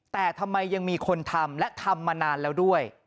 แต่ทำไมยังมีคนทำและทำมานานแล้วด้วย